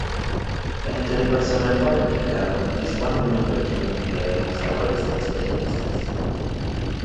Entre el personal cualificado dispone de una pequeña unidad de buceadores especialistas.